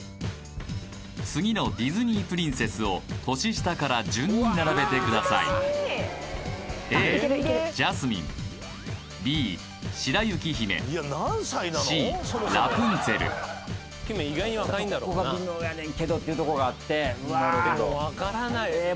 次のディズニープリンセスを年下から順に並べてくださいが微妙やねんけどっていうとこがあってええ